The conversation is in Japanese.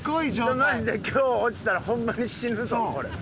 でもマジで今日落ちたらホンマに死ぬぞこれ。